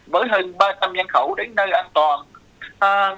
với hơn ba trăm linh nhân khẩu đến nơi an toàn